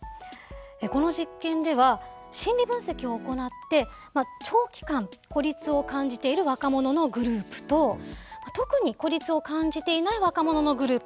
この実験では心理分析を行って長期間孤立を感じている若者のグループと特に孤立を感じていない若者のグループ。